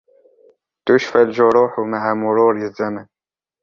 تشفى الجروح مع مرور الزمن.